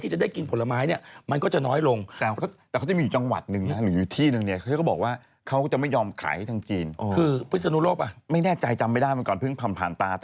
เหมือนกับอยากให้คนไทยได้กินผลผลิตของคนไทย